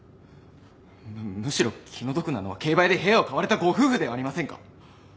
むむしろ気の毒なのは競売で部屋を買われたご夫婦ではありませんか？